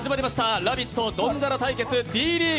「ラヴィット！ドンジャラ」対決、Ｄリーグ。